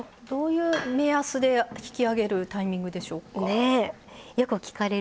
どういう目安で引き上げるタイミングでしょうか？